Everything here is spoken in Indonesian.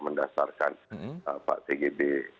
mendasarkan pak tgb